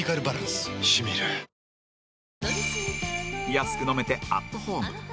安く飲めてアットホーム